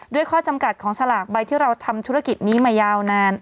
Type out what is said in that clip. ข้อจำกัดของสลากใบที่เราทำธุรกิจนี้มายาวนาน